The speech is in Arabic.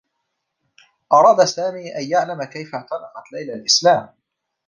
أراد سامي أن يعلم كيف اعتنقت ليلى الإسلام.